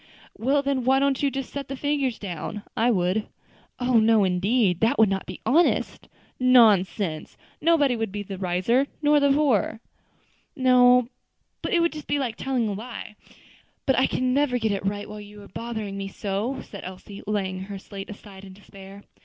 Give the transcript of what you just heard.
"Well, then, why don't you just set the figures down. I would." "Oh! no, indeed; that would not be honest." "Pooh! nonsense! nobody would be the wiser, nor the poorer." "No, but it would be just like telling a lie. But I can never get it right while you are bothering me so," said Elsie, laying her slate aside in despair.